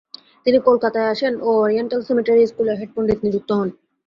তিনি কলকাতায় আসেন ও ওরিয়েন্টাল সেমিনারি স্কুলের হেডপন্ডিত নিযুক্ত হন।